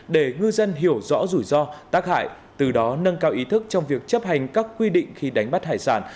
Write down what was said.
để ngư dân hiểu rõ rủi ro tác hại từ đó nâng cao ý thức trong việc chấp hành các quy định khi đánh bắt hải sản